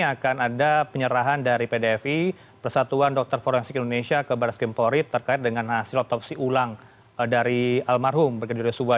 akan ada penyerahan dari pdfi persatuan dokter forensik indonesia ke baris kempori terkait dengan hasil otopsi ulang dari almarhum brigadir yosua